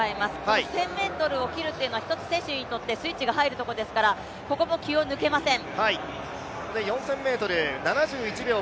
１０００ｍを切るというのは、１つ選手にとってスイッチが入るところですからここも気を抜けません。